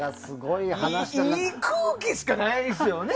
いい空気しかないですよね。